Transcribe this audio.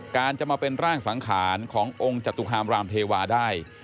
การจะมาเป็นร่างสังขารขององค์จตุคามรามเทวาได้